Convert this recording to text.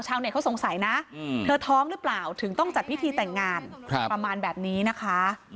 ชาวเน็ตเขาสงสัยนะเธอท้องหรือเปล่าถึงต้องจัดพิธีแต่งงานประมาณแบบนี้นะคะ